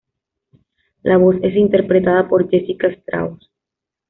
La voz es interpretada por Jessica Straus.